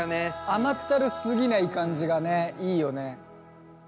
甘ったるすぎない感じがねいいよね。